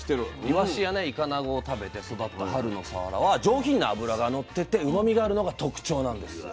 イワシやイカナゴを食べて育った春のさわらは上品な脂がのっててうまみがあるのが特徴なんですよ。